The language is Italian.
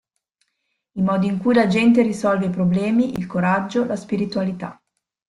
I modi in cui la gente risolve i problemi, il coraggio, la spiritualità.